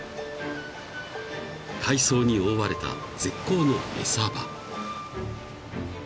［海藻に覆われた絶好の餌場］